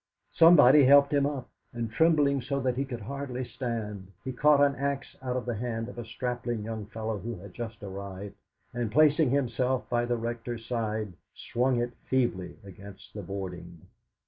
Somebody helped him up, and trembling so that he could hardly stand, he caught an axe out of the hand of a strapping young fellow who had just arrived, and placing himself by the Rector's side, swung it feebly against the boarding.